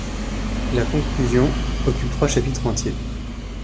La conclusion occupe trois chapitres entiers.